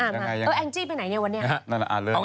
มันหายไปแล้วลูก